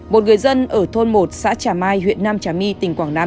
một người dân ở thôn một xã trà mai huyện nam trà my tỉnh quảng nam